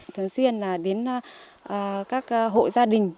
thường xuyên là đến các hộ gia đình